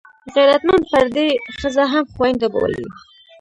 غیرتمند پردۍ ښځه هم خوینده بولي